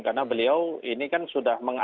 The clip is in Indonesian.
karena beliau ini kan sudah mengadil